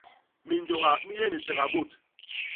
Minjôha mi yé ni sega bôt.